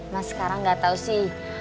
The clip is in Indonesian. mas sekarang gak tau sih